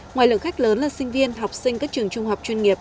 ngoài lượng khách lớn là sinh viên học sinh các trường trung học chuyên nghiệp